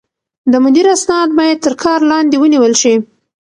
د مدير اسناد بايد تر کار لاندې ونيول شي.